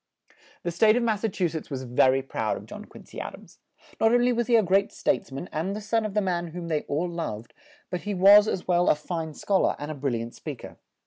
The State of Mas sa chu setts was ver y proud of John Quin cy A dams; not only was he a great states man and the son of the man whom they all loved, but he was, as well, a fine schol ar, and a bril liant speak er.